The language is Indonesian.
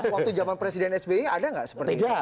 waktu zaman presiden sby ada nggak seperti itu